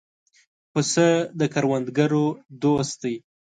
پسه د کروندګرو دوست دی.